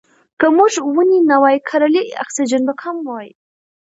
که موږ ونې نه وای کرلې اکسیجن به کم وای.